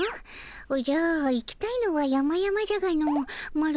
おじゃ行きたいのはやまやまじゃがのマロ